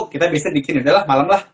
kita biasanya bikin malem lah